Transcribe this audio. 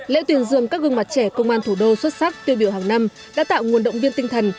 lễ tuyên dương các gương mặt trẻ công an thủ đô xuất sắc tiêu biểu hàng năm đã tạo nguồn động viên tinh thần